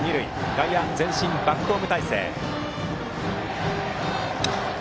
外野前進、バックホーム態勢。